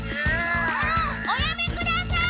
もうおやめください！